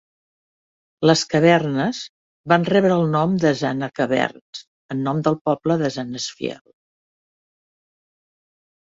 Les cavernes van rebre el nom de Zane Caverns, en nom del poble de Zanesfield.